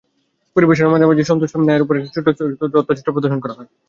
পরিবেশনার মাঝামাঝি সময়ে সন্তোষ নায়ারের ওপরে একটি ছোট্ট তথ্যচিত্র প্রদর্শন করা হয়।